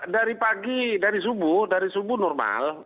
dari pagi dari subuh dari subuh normal